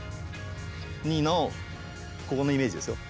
ここのイメージですよ